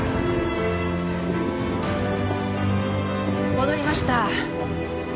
戻りました。